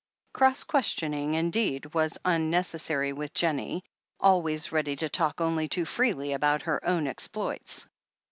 Cross questioning, indeed, was unnecessary with Jennie, always ready to talk only too freely about her own exploits.